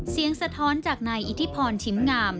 สะท้อนจากนายอิทธิพรชิมงาม